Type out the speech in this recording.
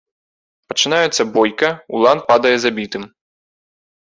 Пачынаецца бойка, улан падае забітым.